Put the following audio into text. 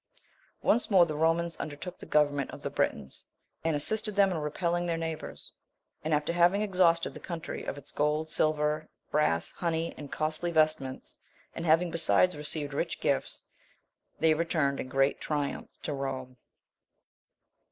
Once more the Romans undertook the government of the Britons, and assisted them in repelling their neighbours; and, after having exhausted the country of its gold, silver, brass, honey, and costly vestments, and having besides received rich gifts, they returned in great triumph to Rome.